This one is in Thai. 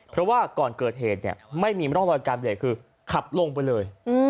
เพราะว่าก่อนเกิดเหตุเนี่ยไม่มีร่องรอยการเบรกคือขับลงไปเลย